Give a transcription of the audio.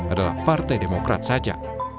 adalah partai demokrat saja